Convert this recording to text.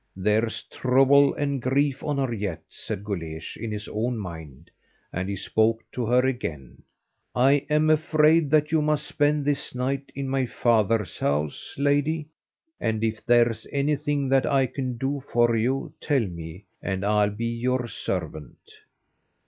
"There's trouble and grief on her yet," said Guleesh in his own mind, and he spoke to her again: "I am afraid that you must spend this night in my father's house, lady, and if there is anything that I can do for you, tell me, and I'll be your servant."